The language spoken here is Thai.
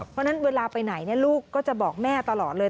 เพราะฉะนั้นเวลาไปไหนลูกก็จะบอกแม่ตลอดเลย